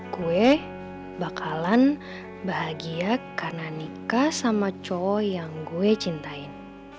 gue bakalan bahagia karena nikah sama co yang gue cintain